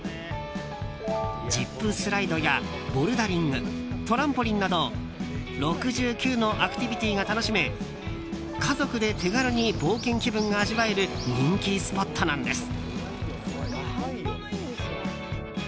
ジップスライドやボルダリングトランポリンなど６９のアクティビティーが楽しめ家族で手軽に冒険気分が味わえる人気スポットなんです。